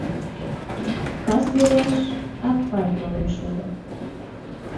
Кас велеш Акпай толын шуо.